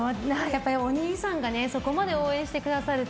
お兄さんがそこまで応援してくださるって。